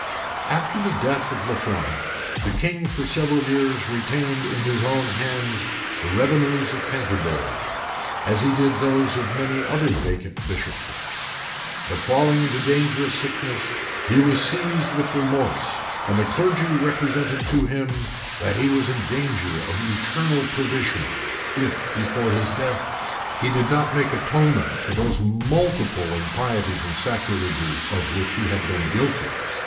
After the death of Lanfranc, the king for several years retained in his own hands the revenues of Canterbury, as he did those of many other vacant bishoprics: but falling into a dangerous sickness, he was seized with remorse; and the clergy represented to him, that he was in danger of eternal perdition, if before his death he did not make atonement for those multiplied impieties and sacrileges of which he had been guilty.